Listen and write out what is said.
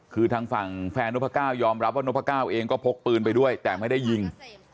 คือทางฝั่งแฟนนพก้าวยอมรับว่านพก้าวเองก็พกปืนไปด้วยแต่ไม่ได้ยิง